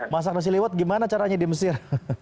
masak nasi lewat gimana caranya di mesir